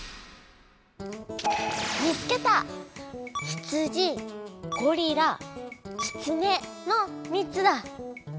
「ひつじ」「ごりら」「きつね」の３つだ！